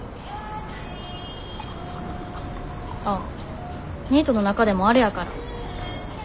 あっニートの中でもあれやから。